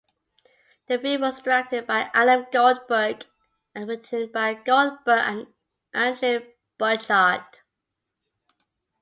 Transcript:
The film was directed by Adam Goldberg and written by Goldberg and Adrian Butchart.